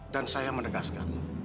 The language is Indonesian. dan saya menegaskan